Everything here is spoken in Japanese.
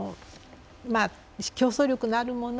競争力のあるもの